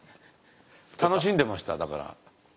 楽しんでましただから。